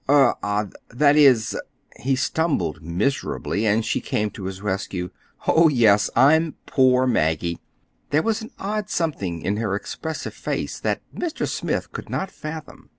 "Er—ah—that is—" He stumbled miserably, and she came to his rescue. "Oh, yes, I'm—'Poor Maggie.'" There was an odd something in her expressive face that Mr. Smith could not fathom.